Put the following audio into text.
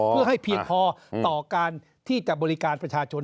เพื่อให้เพียงพอต่อการที่จะบริการประชาชน